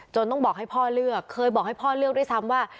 ต้องบอกให้พ่อเลือกเคยบอกให้พ่อเลือกด้วยซ้ำว่า